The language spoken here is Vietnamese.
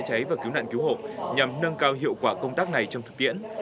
cứu nạn cứu hộ nhằm nâng cao hiệu quả công tác này trong thực tiễn